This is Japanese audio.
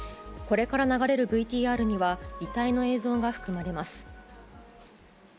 これからの流れるＶＴＲには、遺体の映像が含まれます。